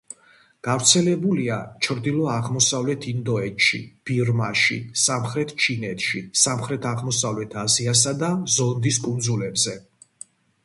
გავრცელებულია ჩრდილო-აღმოსავლეთ ინდოეთში, ბირმაში, სამხრეთ ჩინეთში, სამხრეთ-აღმოსავლეთ აზიასა და ზონდის კუნძულებზე.